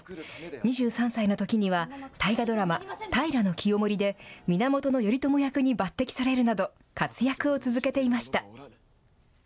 ２３歳のときには大河ドラマ、平清盛で源頼朝役に抜てきされるなど、活躍を続けていました。